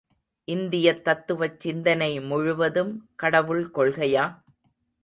இந்தியத் தத்துவச் சிந்தனை முழுவதும் கடவுள் கொள்கையா?